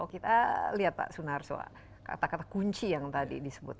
kita lihat pak sunarso kata kata kunci yang tadi disebut